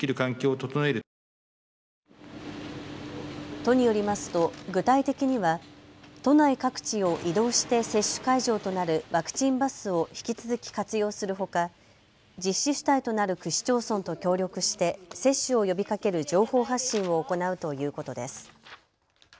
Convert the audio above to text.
都によりますと具体的には都内各地を移動して接種会場となるワクチンバスを引き続き活用するほか、実施主体となる区市町村と協力して接種を呼びかける情報発信を行うということです。